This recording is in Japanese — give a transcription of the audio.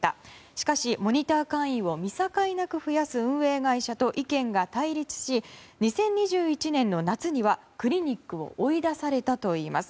しかしモニター会員を見境なく増やす運営会社と意見が対立し２０２１年の夏にはクリニックを追い出されたといいます。